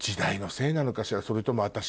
それとも。